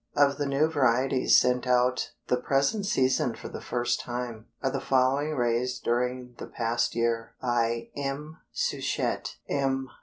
Of the new varieties sent out the present season for the first time, are the following raised during the past year by M. Souchet, M.